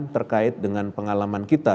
terkait dengan pengalaman kita